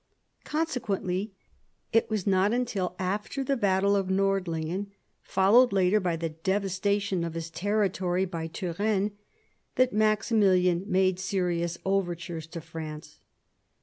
Consequently it was not till after the battle of Nordlingen, followed later by the devastation of his territory by Turenne, that Maximilian made serious overtures to France.